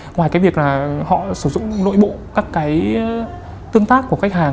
ngoài cái việc là họ sử dụng nội bộ các cái tương tác của khách hàng